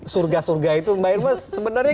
surga surga itu mbak irma sebenarnya